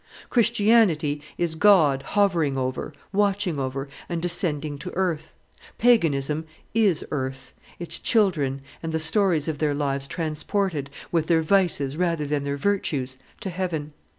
Christianity is God hovering over, watching over, and descending to earth; paganism is earth, its children and the stories of their lives transported, with their vices rather than their virtues, to heaven.